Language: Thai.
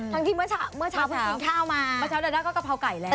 ที่เมื่อเช้าเพิ่งกินข้าวมาเมื่อเช้าดาด้าก็กะเพราไก่แล้ว